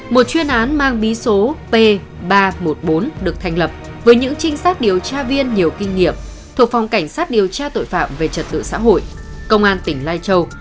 một chuyên án mang bí số p ba trăm một mươi bốn được thành lập với những trinh sát điều tra viên nhiều kinh nghiệm thuộc phòng cảnh sát điều tra tội phạm về trật tự xã hội công an tỉnh lai châu